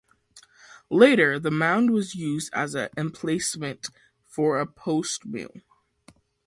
Later the mound was used as the emplacement for a post-mill.